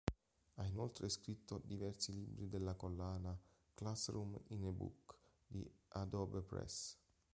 Ha inoltre scritto diversi libri della collana "Classroom in a Book" di Adobe Press.